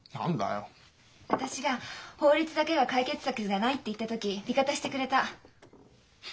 私が「法律だけが解決策じゃない」って言った時味方してくれた。